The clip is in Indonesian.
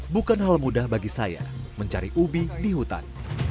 bukan hal mudah bagi saya mencari ubi di hutan